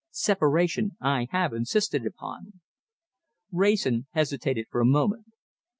Separation I have insisted upon." Wrayson hesitated for a moment.